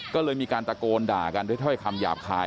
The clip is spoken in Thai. ก็เลยมีการตะโกนด่ากันด้วยถ้อยคำหยาบคาย